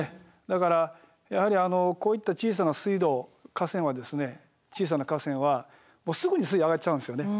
だからやはりあのこういった小さな水道河川は小さな河川はすぐに水位上がっちゃうんですよね。